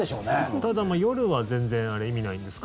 ただ、夜は全然、あれ、意味ないんですか？